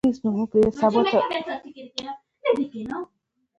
فشار د زړه ناروغۍ رامنځته کوي